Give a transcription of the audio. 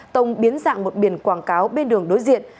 tông biến dạng một biển quảng cáo bên đường đối diện